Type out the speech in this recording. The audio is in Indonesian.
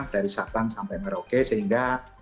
dari sabang sampai merauke sehingga